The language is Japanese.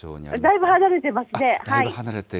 だいぶ離れています。